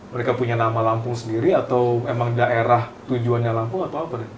mereka punya nama lampung sendiri atau memang daerah tujuannya lampung atau apa deh